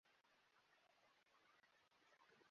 Alianzisha parokia nyingi na kushiriki mitaguso mbalimbali.